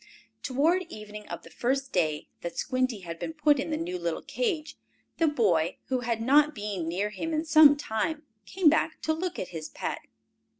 Toward evening of the first day that Squinty had been put in the new little cage, the boy, who had not been near him in some time, came back to look at his pet.